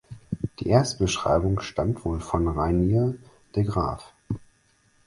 Die Erstbeschreibung stammt wohl von Reinier de Graaf.